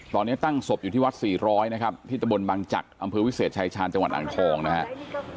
ตอนนี้ตั้งศพอยู่ที่วัด๔๐๐นะครับที่ตะบนบางจักรอำเภอวิเศษชายชาญจังหวัดอ่างทองนะครับ